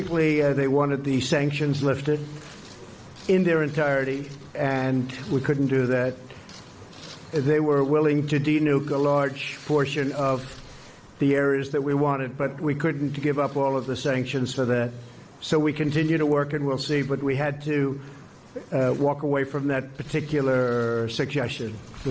เช่นเดียวกับในไม้ปอมเปโอ